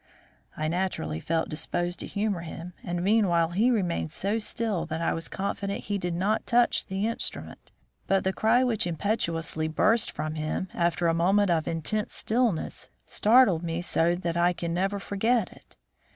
I naturally felt disposed to humour him, and meanwhile he remained so still that I was confident he did not touch the instrument. But the cry which impetuously burst from him after a moment of intense stillness startled me so I can never forget it.